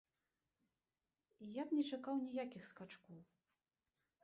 Я б не чакаў ніякіх скачкоў.